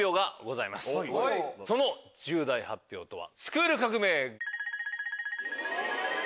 その重大発表とは。